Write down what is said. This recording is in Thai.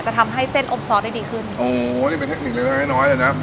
ทำให้เส้นอบซอสได้ดีขึ้นโอ้นี่เป็นเทคนิคเล็กน้อยน้อยเลยนะ